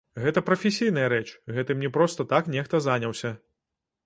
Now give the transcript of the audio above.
Гэта прафесійная рэч, гэтым не проста так нехта заняўся.